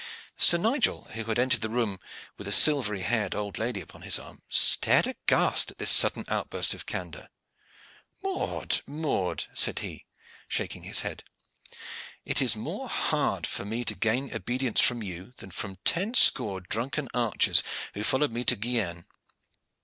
Sir Nigel, who had entered the room with a silvery haired old lady upon his arm, stared aghast at this sudden outburst of candor. "Maude, Maude!" said he, shaking his head, "it is more hard for me to gain obedience from you than from the ten score drunken archers who followed me to Guienne.